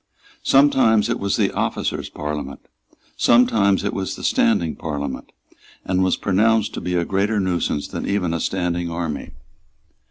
Sometimes it was the Officers' Parliament; sometimes it was the Standing Parliament, and was pronounced to be a greater nuisance than even a standing army.